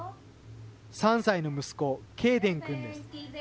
３歳の息子、ケイデンくんです。